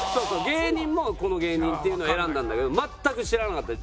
芸人もこの芸人っていうのを選んだんだけど全く知らなかった。